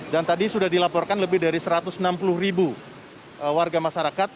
dan tadi sudah dilaporkan lebih dari satu ratus enam puluh ribu warga masyarakat